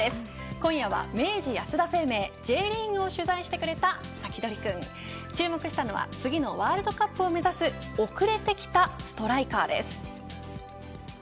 今夜は明治安田生命Ｊリーグを取材してくれたサキドリくん注目したのは次のワールドカップを目指す遅れてきたストライカーです。